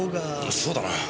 そうだな。